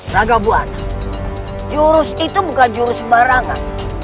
rangga buwana jurus itu bukan jurus barangan